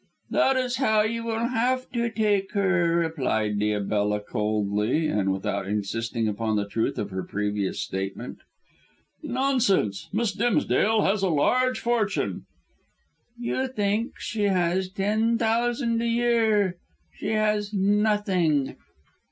"That is how you will have to take her," replied Diabella coldly and without insisting upon the truth of her previous statement. "Nonsense! Miss Dimsdale has a large fortune." "You think she has ten thousand a year. She has nothing."